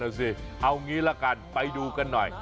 เอาอย่างนี้ละกันไปดูกันหน่อย